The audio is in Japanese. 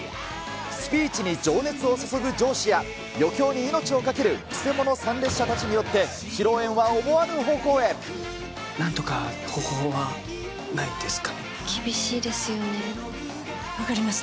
スピーチに情熱を注ぐ上司や、余興に命をかけるくせ者参列者たちによって、披露宴は思わぬ方向なんとか方法はないですかね。